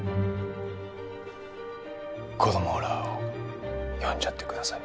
子供らを呼んじゃってください。